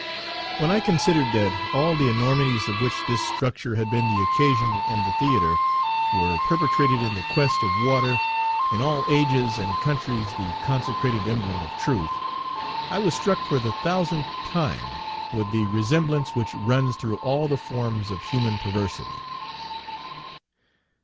When I considered that all the enormities of which this structure had been the occasion and the theatre, were perpetrated in the quest of water, in all ages and countries the consecrated emblem of truth, I was struck for the thousandth time with the resemblance which runs through all the forms of human perversity.